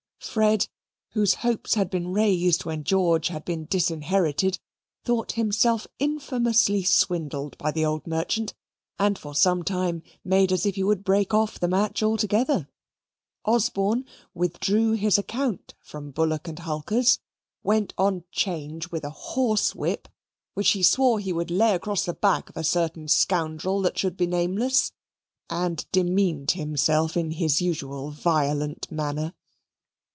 Fred, whose hopes had been raised when George had been disinherited, thought himself infamously swindled by the old merchant, and for some time made as if he would break off the match altogether. Osborne withdrew his account from Bullock and Hulker's, went on 'Change with a horsewhip which he swore he would lay across the back of a certain scoundrel that should be nameless, and demeaned himself in his usual violent manner.